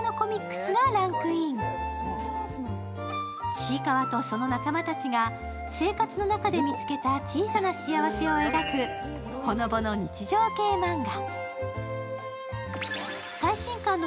ちいかわとその仲間たちが生活の中で見つけた小さな幸せを描く、ほのぼの日常系マンガ。